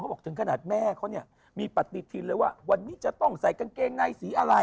เขาบอกถึงขนาดแม่มีผิดฐิ้นว่าวันนี้จะต้องใส่กางเกงไหนสี่อะไร